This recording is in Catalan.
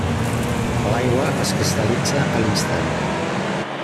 L'aigua es cristal·litza a l'instant.